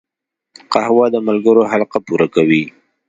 قهوه د ملګرو حلقه پوره کوي